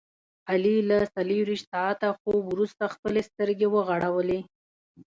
علي له څلوریشت ساعته خوب ورسته خپلې سترګې وغړولې.